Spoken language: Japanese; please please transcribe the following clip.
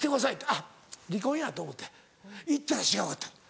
あっ離婚やと思って行ったら違うかった。